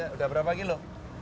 udah berapa kilo